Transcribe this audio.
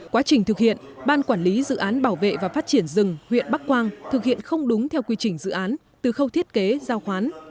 quá trình thực hiện ban quản lý dự án bảo vệ và phát triển rừng huyện bắc quang thực hiện không đúng theo quy trình dự án từ khâu thiết kế giao khoán